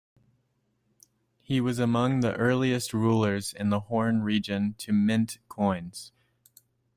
He was among the earliest rulers in the Horn region to mint coins.